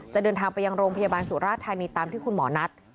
เดินทางไปยังโรงพยาบาลสุราธานีตามที่คุณหมอนัด